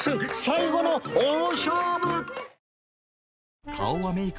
最後の大勝負！